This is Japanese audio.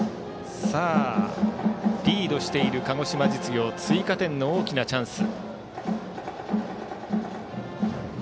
リードしている鹿児島実業追加点の大きなチャンス。